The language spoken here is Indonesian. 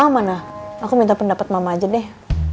mama mana aku minta pendapat mama aja deh